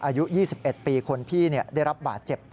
อายุ๒๑ปีคนพี่ได้รับบาดเจ็บ